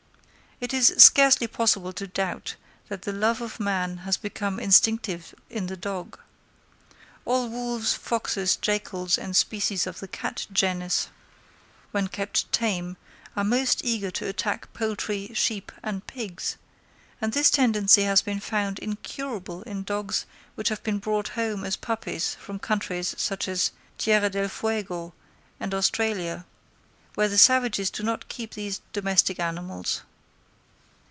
It is scarcely possible to doubt that the love of man has become instinctive in the dog. All wolves, foxes, jackals and species of the cat genus, when kept tame, are most eager to attack poultry, sheep and pigs; and this tendency has been found incurable in dogs which have been brought home as puppies from countries such as Tierra del Fuego and Australia, where the savages do not keep these domestic animals.